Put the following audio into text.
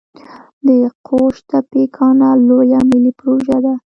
د قوش تیپې کانال لویه ملي پروژه ده